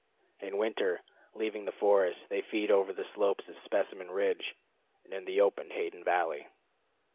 In winter, leaving the forest, they feed over the slopes of Specimen Ridge, and in the open Hayden Valley.